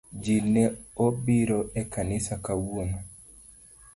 Jii ne obiro e kanisa kawuono